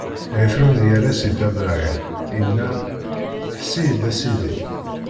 Ɛifṛun irra-as i Dda Bṛahim, inna: Ḥess-iyi-d, a sidi!